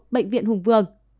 bệnh viện hùng vương